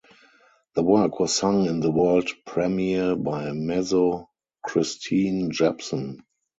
The work was sung in the world premiere by mezzo Kristine Jepson.